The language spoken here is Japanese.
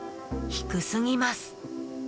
低すぎます。